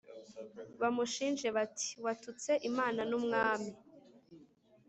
bamushinje bati ‘Watutse Imana n’umwami’